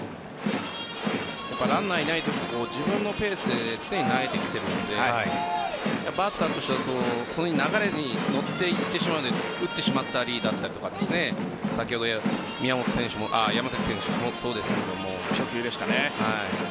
ランナーがいないときに自分のペースで常に投げてきているのでバッターとしてはその流れに乗っていってしまうので打ってしまったりだったりとか先ほど宮本選手も山崎選手もそうですが初球でしたね。